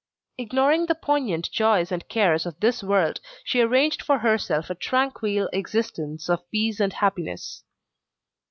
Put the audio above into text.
Ignoring the poignant joys and cares of this world, she arranged for herself a tranquil existence of peace and happiness.